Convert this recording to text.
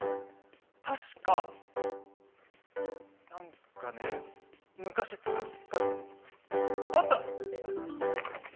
確か何かね昔作ったあった！